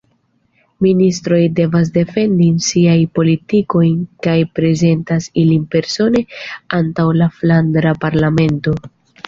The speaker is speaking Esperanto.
Ministroj devas defendi siajn politikojn kaj prezentas ilin persone antaŭ la Flandra Parlamento.